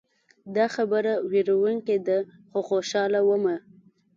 دا خبره ویروونکې ده خو خوشحاله ومه.